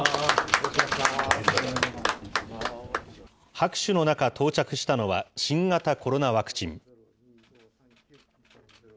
拍手の中、到着したのは新型コロナワクチン。